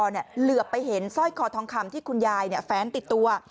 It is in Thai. เหลือไปเห็นสร้อยคอทองคำที่คุณยายแฟ้นติดตัว